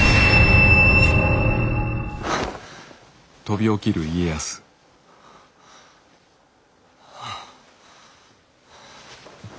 はっ。はあ。